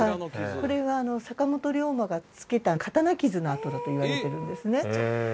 これは坂本龍馬がつけた刀傷の跡だといわれてるんですね